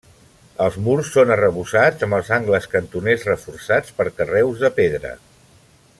Els murs són arrebossats amb els angles cantoners reforçats per carreus de pedra.